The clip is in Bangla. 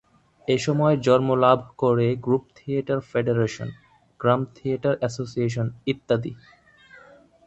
এসময় জন্মলাভ করে গ্রুপ থিয়েটার ফেডারেশন, গ্রাম থিয়েটার অ্যাসোসিয়েশন ইত্যাদি।